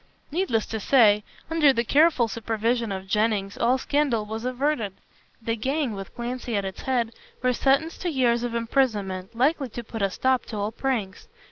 Needless to say, under the careful supervision of Jennings, all scandal was averted. The gang with Clancy at its head were sentenced to years of imprisonment, likely to put a stop to all pranks.